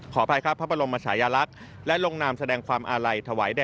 ขออภัยกับพระบรมมชายลักษณ์และลงนามแสดงความอาลัย